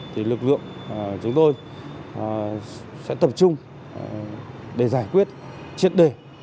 thì lực lượng chúng tôi sẽ tập trung để giải quyết triệt đề